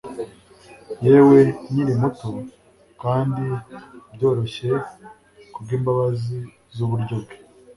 Yewe nkiri muto kandi byoroshye kubwimbabazi zuburyo bwe,